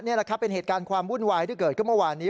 นี่แหละครับเป็นเหตุการณ์ความวุ่นวายที่เกิดขึ้นเมื่อวานนี้